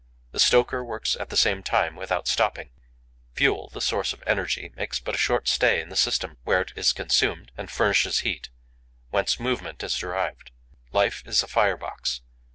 The stoker works at the same time, without stopping. Fuel, the source of energy, makes but a short stay in the system, where it is consumed and furnishes heat, whence movement is derived. Life is a fire box.